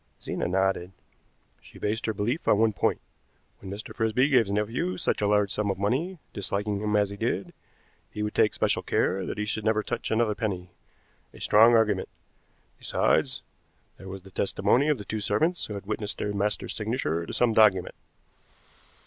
Zena nodded. "She based her belief on one point. When Mr. Frisby gave his nephew such a large sum of money, disliking him as he did, he would take special care that he should never touch another penny. A strong argument. Besides, there was the testimony of the two servants who had witnessed their master's signature to some document.